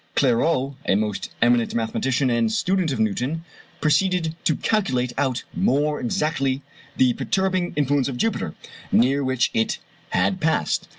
Clairaut, a most eminent mathematician and student of Newton, proceeded to calculate out more exactly the perturbing influence of Jupiter, near which it had passed.